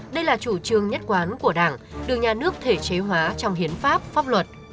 đây là chủ trương nhất quán của đảng được nhà nước thể chế hóa trong hiến pháp pháp luật